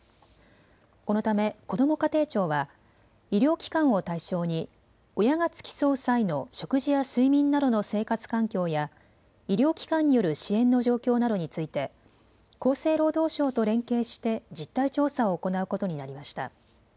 このためこども家庭庁は医療機関を対象に親が付き添う際の食事や睡眠などの生活環境や医療機関による支援の状況などについて厚生労働省と連携して実態調査を行うことになりました。